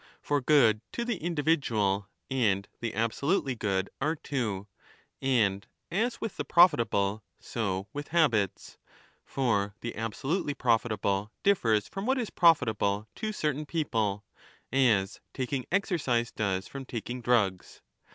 For good to the individual and the absolutely good are two, and as with the profitable so with habits. For the aSsolutely profitable dififers from what is profitable to certain people, as^ taking exercise does from taking drugs.